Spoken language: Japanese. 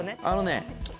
あのね。